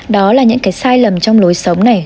đó là những cái sai lầm trong lối sống này